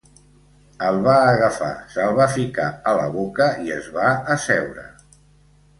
El va agafar, se'l va ficar a la boca i es va asseure.